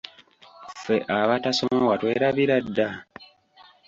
Ffe abatasoma watwerabira dda!